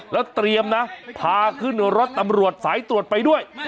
แล้วเตรียมนะพาขึ้นรถตำรวจสายตรวจไปด้วย